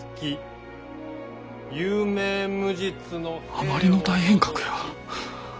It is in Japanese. あまりの大変革や。